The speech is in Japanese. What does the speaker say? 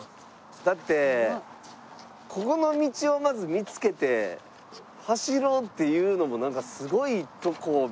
だってここの道をまず見付けて走ろうっていうのもなんかすごいとこを見付けはりますね。